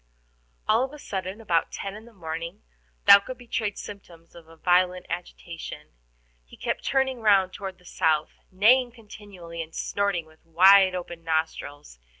All of a sudden, about ten in the morning, Thaouka betrayed symptoms of violent agitation. He kept turning round toward the south, neighing continually, and snorting with wide open nostrils.